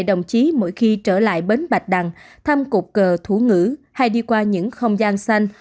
đồng chí mỗi khi trở lại bến bạch đằng thăm cục cờ thủ ngữ hay đi qua những không gian xanh